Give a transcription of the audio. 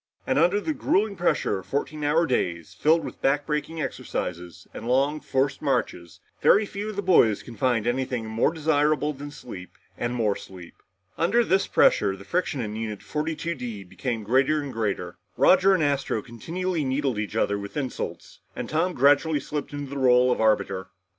And under the grueling pressure of fourteen hour days, filled with backbreaking exercises and long forced marches, very few of the boys can find anything more desirable than sleep and more sleep. Under this pressure the friction in Unit 42 D became greater and greater. Roger and Astro continually needled each other with insults, and Tom gradually slipped into the role of arbiter.